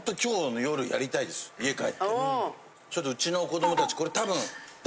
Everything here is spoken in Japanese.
ちょっとうちの子どもたちこれ多分。